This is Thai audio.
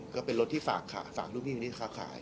ก็เป็นรถที่ฝากค่ะฝากรุ่นพี่ที่นี่ข้าวขาย